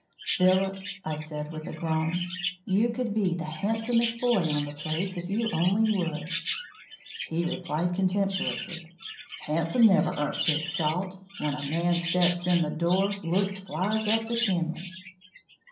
"Philip," I said, with a groan, "you could be the handsomest boy on the place if you only would!" He replied contemptuously, "Handsome never earnt his salt; when a man steps in the door, looks flies up the chimley!"